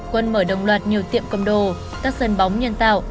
quân mở đồng loạt nhiều tiệm cầm đồ các sân bóng nhân tạo